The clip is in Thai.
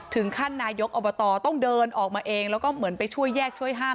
นายกอบตต้องเดินออกมาเองแล้วก็เหมือนไปช่วยแยกช่วยห้าม